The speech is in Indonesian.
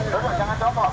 duduk jangan jombong